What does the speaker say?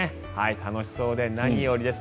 楽しそうで何よりです。